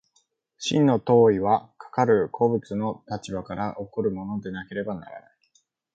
真の当為はかかる個物の立場から起こるものでなければならない。